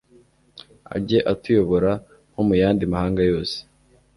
ajye atuyobora nko mu yandi mahanga yose